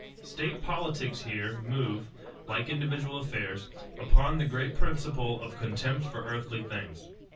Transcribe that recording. State politics here move, like individual affairs, upon the great principle of contempt for earthly things.